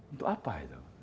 untuk apa itu